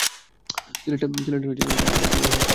ছেলেটার পরিবারের একজন এসেছে।